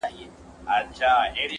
o حقيقت بايد ومنل سي دلته,